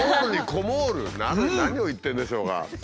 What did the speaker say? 何を言ってるんでしょうか？